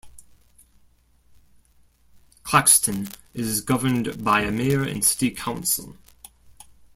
Claxton is governed by a mayor and city council.